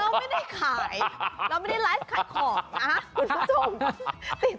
เราไม่ได้ขายเราไม่ได้ไลฟ์ขายของนะครับคุณผู้ชม